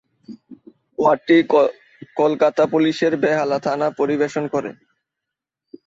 ওয়ার্ডটি কলকাতা পুলিশের বেহালা থানা পরিবেশন করে।